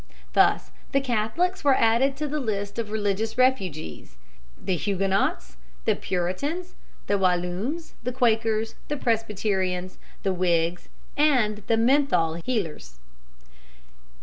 Thus the Catholics were added to the list of religious refugees, viz., the Huguenots, the Puritans, the Walloons, the Quakers, the Presbyterians, the Whigs, and the Menthol Healers.